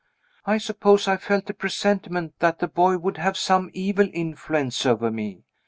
I suppose I felt a presentiment that the boy would have some evil influence over me.